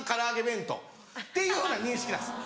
弁当っていうふうな認識なんです。